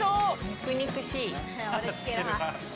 肉々しい。